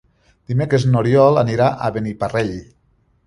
Dimecres n'Oriol anirà a Beniparrell.